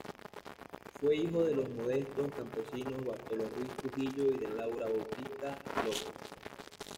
Fue hijo de los modestos campesinos Bartolo Ruiz Trujillo y de Laura Bautista López.